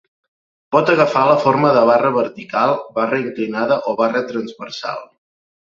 Pot agafar la forma de barra vertical, barra inclinada o barra transversal.